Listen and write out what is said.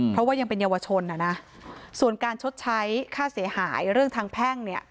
เพราะว่ายังเป็นเยาวชนอ่ะนะส่วนการชดใช้ค่าเสียหายเรื่องทางแพ่งเนี่ย